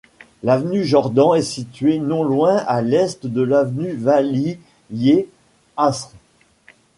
L'avenue Jordan est située non loin à l'est de l'avenue Vali-ye Asr.